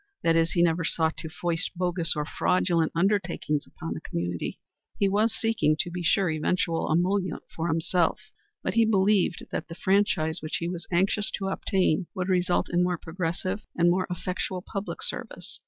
That is, he never sought to foist bogus or fraudulent undertakings upon the community. He was seeking, to be sure, eventual emolument for himself, but he believed that the franchise which he was anxious to obtain would result in more progressive and more effectual public service.